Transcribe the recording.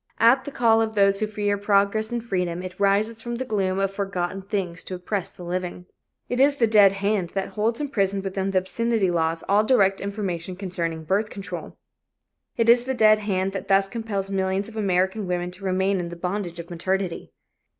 At the call of those who fear progress and freedom, it rises from the gloom of forgotten things to oppress the living. It is the dead hand that holds imprisoned within the obscenity laws all direct information concerning birth control. It is the dead hand that thus compels millions of American women to remain in the bondage of maternity.